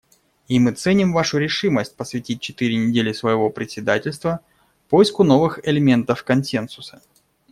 И мы ценим вашу решимость посвятить четыре недели своего председательства поиску новых элементов консенсуса.